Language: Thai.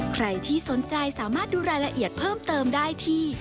ใครที่สนใจสามารถดูรายละเอียดเพิ่มเติมได้ที่